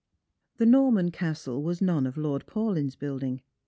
The Norman castle was none of Lord Paulyn's building.